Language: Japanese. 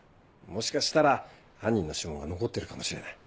もしかしたら犯人の指紋が残ってるかもしれない。